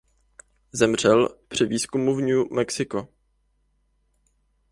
Zemřel při výzkumu v New Mexico.